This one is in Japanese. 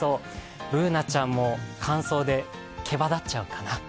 Ｂｏｏｎａちゃんも乾燥で毛羽立っちゃうかな。